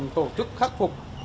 tổ chức khắc phục